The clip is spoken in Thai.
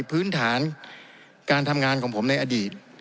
พื้นฐานการทำงานของผมในอดีต